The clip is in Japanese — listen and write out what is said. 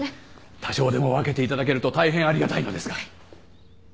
多少でも分けていただけると大変ありがたいのですが。